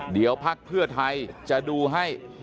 เดี๋ยวพักเพื่อไทยจะดูให้